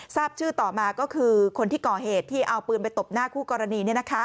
ทราบชื่อต่อมาก็คือคนที่ก่อเหตุที่เอาปืนไปตบหน้าคู่กรณี